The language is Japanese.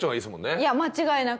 いや間違いなく。